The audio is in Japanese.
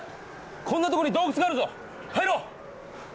こんな所に洞窟があるぞ入ろう。